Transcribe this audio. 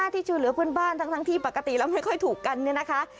ที่ช่วยเหลือเพื่อนบ้านทั้งที่ปกติแล้วไม่ค่อยถูกกันเนี่ยนะคะ